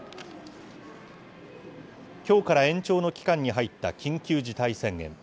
きょうから延長の期間に入った緊急事態宣言。